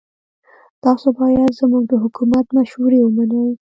تاسو باید زموږ د حکومت مشورې ومنئ.